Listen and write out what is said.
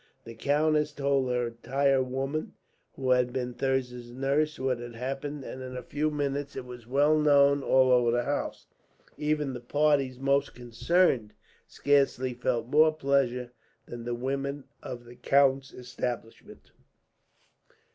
The countess told her tire woman, who had been Thirza's nurse, what had happened; and in a few minutes it was known all over the house, and even the parties most concerned scarcely felt more pleasure than the women of the count's establishment.